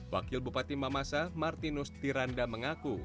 wakil bupati mamasa martinus tiranda mengaku